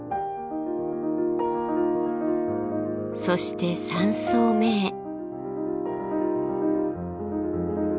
そして３層目へ。